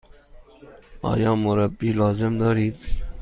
آیا مربی لازم دارید؟